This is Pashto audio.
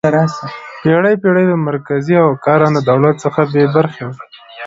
پېړۍ پېړۍ له مرکزي او کارنده دولت څخه بې برخې وه.